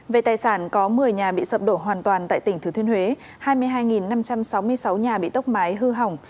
về tài sản có một mươi nhà bị sập đổ hoàn toàn tại tỉnh thứ thiên huế hai mươi hai năm trăm sáu mươi sáu nhà bị tốc mái hư hỏng